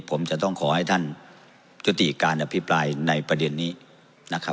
ผมจะต้องขอให้ท่านยุติการอภิปรายในประเด็นนี้นะครับ